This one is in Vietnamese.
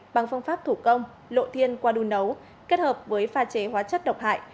bằng phương pháp thủ công lộ thiên qua đun nấu kết hợp với pha chế hóa chất độc hại